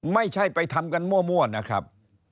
ไม่ใช่ไปทำกันมั่วนะครับ